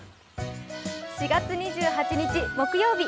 ４月２８日、木曜日。